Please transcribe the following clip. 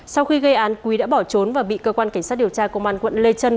sau khi gây án quý đã bỏ trốn và bị cơ quan cảnh sát điều tra công an quận lê trân